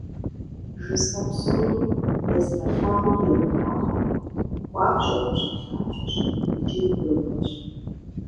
ЖысӀэ псори, езгъэлъагъури епхъуатэ, хуабжьу ӏэпщӏэлъапщӏэщ икӏи гурыхуэщ.